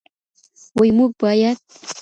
وي موږ باید